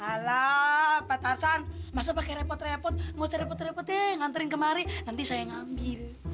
alah pak tarzan masa pakai repot repot nggak usah repot repot ya ngantarin kemari nanti saya ngambil